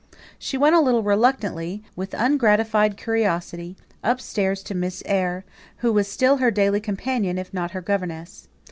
She went a little reluctantly, with ungratified curiosity, upstairs to Miss Eyre, who was still her daily companion, if not her governess.